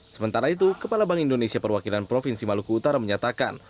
sementara itu kepala bank indonesia perwakilan provinsi maluku utara menyatakan